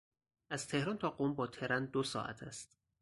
از تهران تا قم با ترن دو ساعت است.